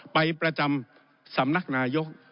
ประจำสำนักนายก